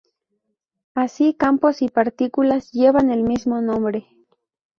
Así campos y partículas llevan el mismo nombre.